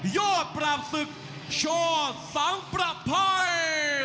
ยอดแปรบศึกโชว์สังประไพย